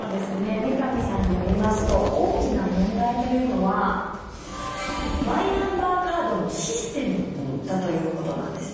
三上さんによりますと大きな問題というのはマイナンバーカードのシステムだということなんですね。